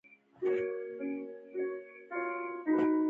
لس جلده کتاب